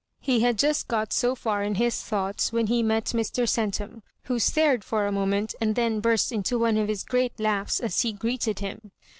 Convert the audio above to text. He had just got so far in his thoughts when he met Mr. Centum, who stared for a moment, and then burst into one of his great laughs as he greeted him.